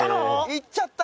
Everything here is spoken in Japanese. いっちゃった。